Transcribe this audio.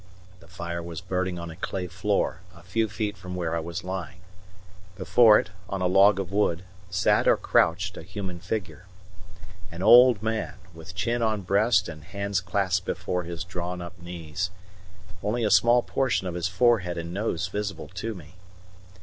The fire was burning on a clay floor a few feet from where I was lying. Before it, on a log of wood, sat or crouched a human figure. An old man, with chin on breast and hands clasped before his drawn up knees; only a small portion of his forehead and nose visible to me.